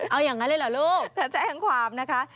เอาอย่างนั้นเลยเหรอลูกถ้าแจ้งความนะคะ